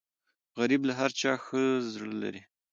غریب له هر چا ښه زړه لري